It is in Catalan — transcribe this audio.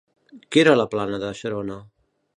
Què era la plana de Xaron?